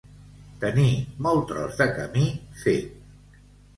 Tenir molt tros de camí fet.